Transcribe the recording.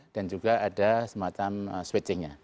dan juga ada semacam switchingnya